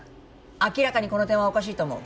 明らかにこの点はおかしいと思う。